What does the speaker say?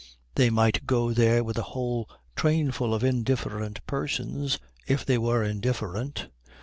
They might go there with a whole trainful of indifferent persons if they were indifferent.